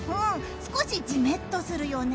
少しジメッとするよね。